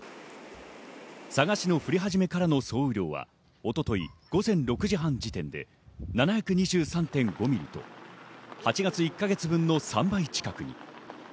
佐賀市の降り始めからの総雨量は、一昨日、午前６時半時点で７２３．５ミリと８月１か月分の３倍近く。